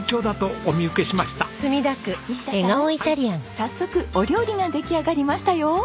早速お料理が出来上がりましたよ！